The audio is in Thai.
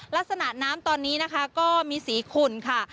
ลักษณะน้ำตอนนี้นะคะก็มีสีขุ่นค่ะ